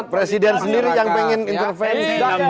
presiden sendiri yang pengen intervensi